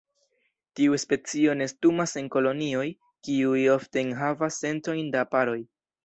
Tiu specio nestumas en kolonioj, kiuj ofte enhavas centojn da paroj.